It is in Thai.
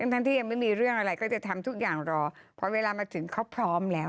ทั้งที่ยังไม่มีเรื่องอะไรก็จะทำทุกอย่างรอพอเวลามาถึงเขาพร้อมแล้ว